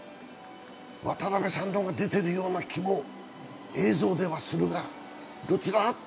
渡辺さんの方が出ているような気も、映像ではするが？